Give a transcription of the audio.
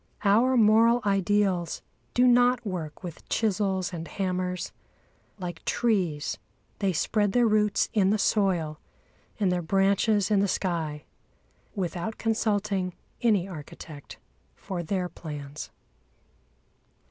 Our moral ideals do not work with chisels and hammers. Like trees, they spread their roots in the soil and their branches in the sky, without consulting any architect for their plans.